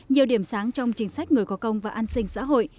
nhiều điểm sáng trong chính sách người có công và an sinh xã hội